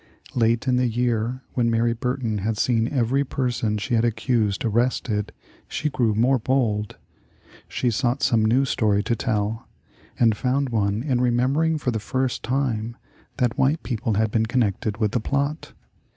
Late in the year, when Mary Burton had seen every person she had accused arrested, she grew more bold. She sought some new story to tell, and found one in remembering for the first time that white people had been connected with the plot.